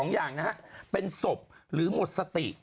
อย่างนะฮะเป็นศพหรือหมดสติ